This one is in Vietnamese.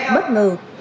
bất ngờ hoảng nguyện